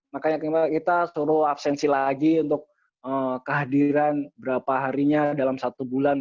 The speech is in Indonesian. makanya kita suruh absensi lagi untuk kehadiran berapa harinya dalam satu bulan